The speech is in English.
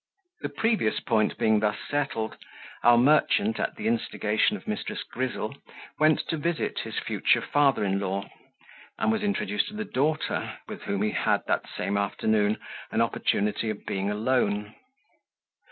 The previous point being thus settled, our merchant, at the instigation of Mrs. Grizzle, went to visit his future father in law, and was introduced to the daughter, with whom he had, that same afternoon, an opportunity of being alone.